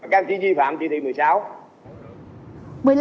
các chỉ vi phạm chỉ thị một mươi sáu